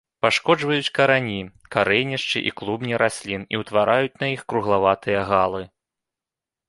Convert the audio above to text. Пашкоджваюць карані, карэнішчы і клубні раслін і ўтвараюць на іх круглаватыя галы.